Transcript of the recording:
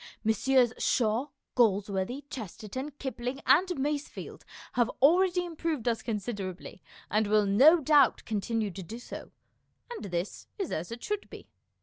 Messrs. Shaw, Galsworthy, Chesterton, Kipling, and Masefield have already improved us considerably, and will no doubt con tinue to do so, and this is as it should be.